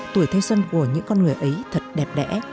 tuổi thanh xuân của những con người ấy thật đẹp đẽ